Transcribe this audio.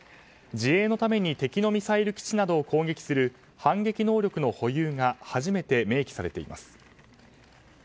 自衛のために敵のミサイル基地などを攻撃する反撃能力の保有が初めて明記されています。